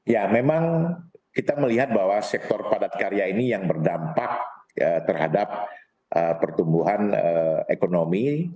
ya memang kita melihat bahwa sektor padat karya ini yang berdampak terhadap pertumbuhan ekonomi